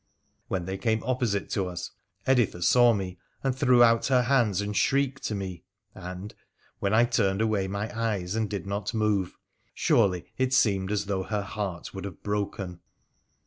When they came opposite to us Editha saw me and threw out her hands and shrieked to me, and, when I turned away my eyes and did not move, surely it seemed as though her heart would have broken.